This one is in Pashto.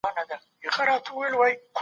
نړيوالي اړیکي ګټوره لار ده.